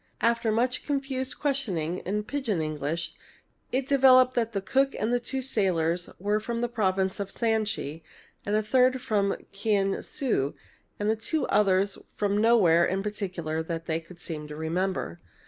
After much confused questioning in Pidgin English it developed that the cook and two sailors were from the province of Shansi, a third from Kiang su, and the two others from nowhere in particular that they could seem to remember.